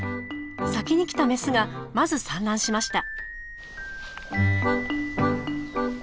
先に来たメスがまず産卵しました。